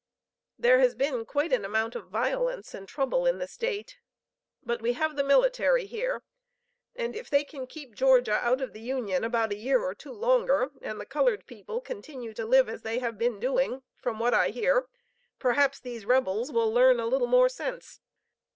There has been quite an amount of violence and trouble in the State; but we have the military here, and if they can keep Georgia out of the Union about a year or two longer, and the colored people continue to live as they have been doing, from what I hear, perhaps these rebels will learn a little more sense.